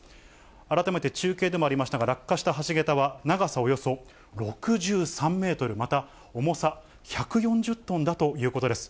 改めて中継でもありましたが、落下した橋桁は、長さおよそ６３メートル、また重さ１４０トンだということです。